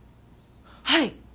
はい！